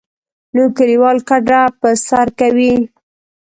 نو کلیوال کډه په سر کوي.